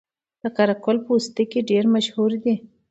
د قره قل پوستکي ډیر مشهور دي